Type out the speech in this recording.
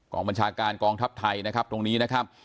บัญชาการกองทัพไทยนะครับตรงนี้นะครับ